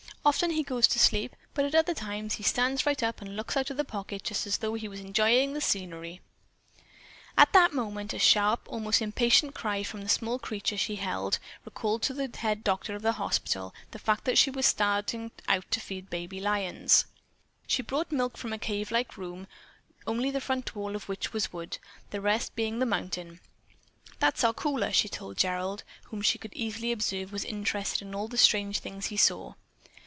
Often he goes to sleep, but at other times, he stands right up and looks out of the pocket, just as though he were enjoying the scenery." At that moment a sharp, almost impatient cry from the small creature she held recalled to the head doctor of the hospital the fact that she had started out to feed the baby lions. She brought milk from a cave like room, only the front wall of which was wood, the rest being in the mountain. "That's our cooler," she told Gerald, whom she could easily observe was interested in all the strange things he saw.